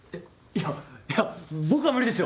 いやいや僕は無理ですよ。